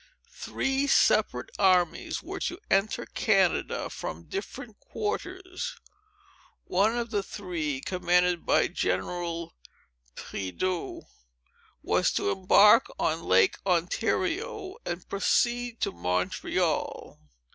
Three separate armies were to enter Canada, from different quarters. One of the three, commanded by General Prideaux, was to embark on Lake Ontario, and proceed to Montreal.